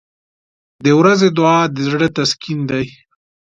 • د ورځې دعا د زړه تسکین دی.